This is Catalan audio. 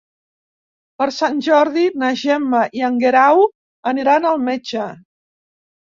Per Sant Jordi na Gemma i en Guerau aniran al metge.